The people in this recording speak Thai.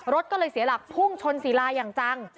รถก็เลยเสียหลักพุ่งชนศิลาอย่างจัง